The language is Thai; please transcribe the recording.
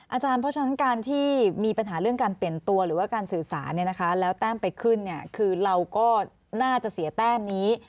อาจารย์เพราะฉะนั้นการที่มีปัญหาเรื่องการเปลี่ยนตัวหรือว่าการสื่อสารแล้วแต้มไปขึ้นคือเราก็น่าจะเสียแต้มนี้